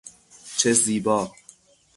چه زیبا!